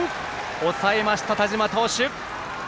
抑えました、田嶋投手。